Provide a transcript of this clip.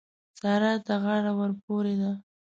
سارا ته غاړه ورپورې ده.